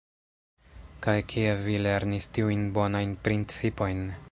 Kaj kie vi lernis tiujn bonajn principojn?